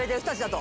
と。